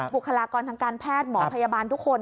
บุคลากรทางการแพทย์หมอพยาบาลทุกคน